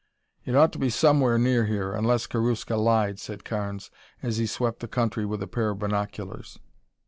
"It ought to be somewhere near here, unless Karuska lied," said Carnes as he swept the country with a pair of binoculars.